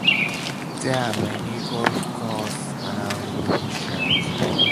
There are many golf courses around Fishers.